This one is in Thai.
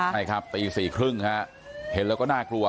ใช่ครับตีสี่ครึ่งเห็นแล้วก็น่ากลัว